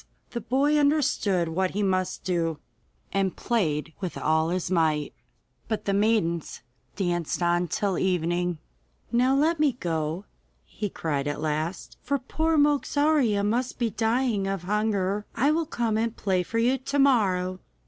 The boy understood what he must do, and played with all his might, but the maidens danced on till evening. 'Now let me go,' he cried at last, 'for poor Mogarzea must be dying of hunger. I will come and play for you to morrow.